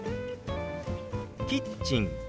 「キッチン」。